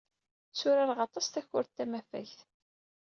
Tturareɣ aṭas takurt tamafagt.